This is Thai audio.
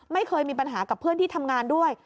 ไม่เคยมีปัญหากับเพื่อนที่ทำงานด้วย